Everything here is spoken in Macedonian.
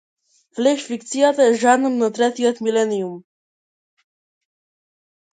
Флеш фикцијата е жанр на третиот милениум.